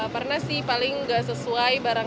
pernah sih paling nggak sesuai barangnya sama harganya